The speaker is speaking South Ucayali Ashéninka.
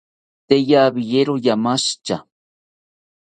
Tee rawiero ranashitya